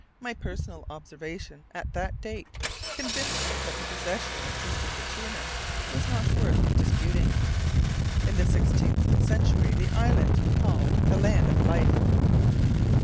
My personal observation at that date convinced me that the possession of Tristan d'Acunha was not worth disputing. In the sixteenth century the islands were called the Land of Life.